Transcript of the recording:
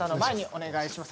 お願いします